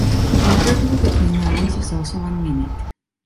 The interval between rounds is also one minute.